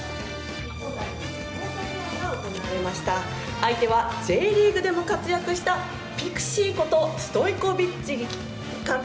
相手はＪリーグでも活躍したピクシーことストイコビッチ監督